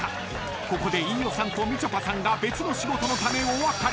ここで飯尾さんとみちょぱさんが別の仕事のためお別れ］